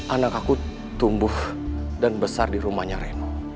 anak aku tumbuh dan besar di rumahnya reno